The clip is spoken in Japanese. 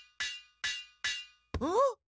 ん？